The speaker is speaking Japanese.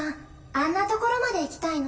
あんな所まで行きたいの？